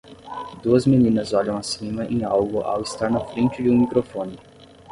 Duas meninas olham acima em algo ao estar na frente de um microfone.